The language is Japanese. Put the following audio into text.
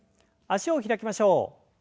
脚を開きましょう。